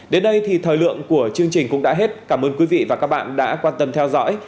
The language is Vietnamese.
đến đây thì thời lượng của chương trình cũng đã hết cảm ơn quý vị và các bạn đã quan tâm theo dõi